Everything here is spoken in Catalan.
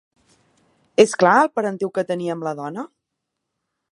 És clar el parentiu que tenia amb la dona?